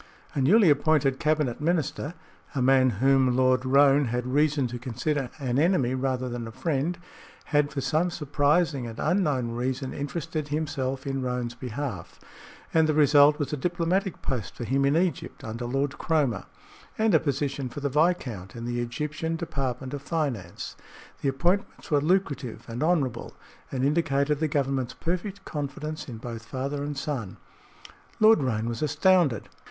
A newly appointed cabinet minister a man whom Lord Roane had reason to consider an enemy rather than a friend had for some surprising and unknown reason interested himself in Roane's behalf, and the result was a diplomatic post for him in Egypt under Lord Cromer, and a position for the viscount in the Egyptian Department of Finance. The appointments were lucrative and honorable, and indicated the Government's perfect confidence in both father and son. Lord Roane was astounded.